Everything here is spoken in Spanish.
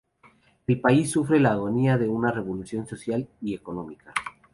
El país sufre la agonía de una revolución social y económica.